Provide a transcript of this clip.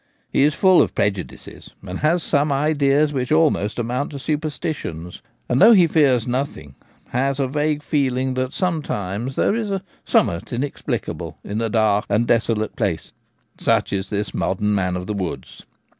He is full of prejudices, and has some ideas which almost amount to superstitions ; and, though he fears nothing, has a vague feeling that sometimes there is ' summat ' inex plicable in the dark and desolate places. Such is this modern man of the woods.